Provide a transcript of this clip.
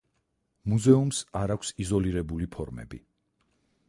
მუზეუმს არ აქვს იზოლირებული ფორმები.